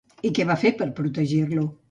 I què va fer per protegir-lo?